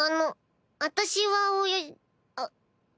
あの私はおやあっ。